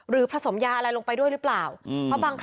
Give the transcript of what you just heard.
ลูกนั่นแหละที่เป็นคนผิดที่ทำแบบนี้